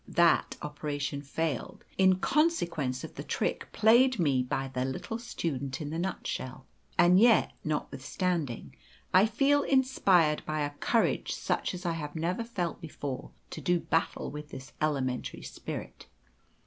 That operation failed, in consequence of the trick played me by the little student in the nut shell. And yet, notwithstanding, I feel inspired by a courage such as I never felt before to do battle with this elementary spirit.